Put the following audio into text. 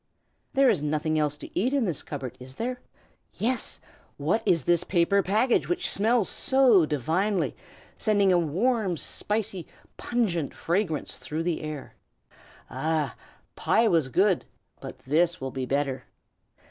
There is nothing else to eat in the cupboard, is there? Yes! what is this paper package which smells so divinely, sending a warm, spicy, pungent fragrance through the air? Ah! pie was good, but this will be better!